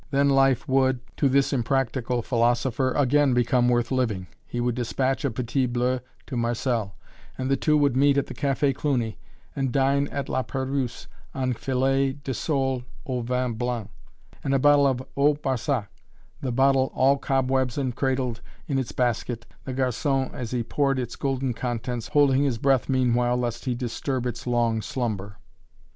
Then life would, to this impractical philosopher, again become worth living. He would dispatch a "petit bleu" to Marcelle; and the two would meet at the Café Cluny, and dine at La Perruse on filet de sole au vin blanc, and a bottle of Haut Barsac the bottle all cobwebs and cradled in its basket the garçon, as he poured its golden contents, holding his breath meanwhile lest he disturb its long slumber.